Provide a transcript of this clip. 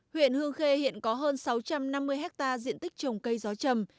huyện hương khê hiện có hơn sáu trăm năm mươi hectare diện tích trồng cây gió chầm